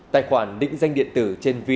tài khoản định danh điện tử trên vneid